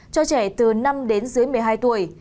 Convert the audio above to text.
cho trẻ từ năm đến dưới một mươi hai tuổi